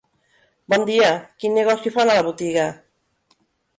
Bon dia, quin negoci fan a la botiga?